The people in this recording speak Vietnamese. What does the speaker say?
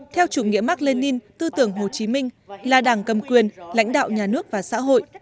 theo chủ nghĩa mark lenin tư tưởng hồ chí minh là đảng cầm quyền lãnh đạo nhà nước và xã hội